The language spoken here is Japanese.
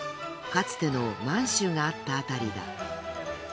かつての満州があった辺りだ。